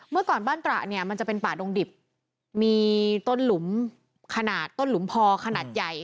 เมื่อก่อนบ้านตระเนี่ยมันจะเป็นป่าดงดิบมีต้นหลุมขนาดต้นหลุมพอขนาดใหญ่